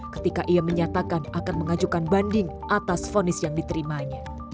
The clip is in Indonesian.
ketika ia menyatakan akan mengajukan banding atas fonis yang diterimanya